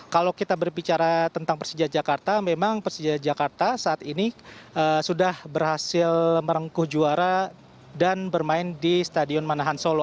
kalau kita berbicara tentang persija jakarta memang persija jakarta saat ini sudah berhasil merengkuh juara dan bermain di stadion manahan solo